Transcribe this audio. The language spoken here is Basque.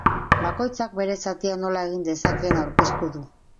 Bakoitzak bere zatia nola egin dezakeen aurkezten du.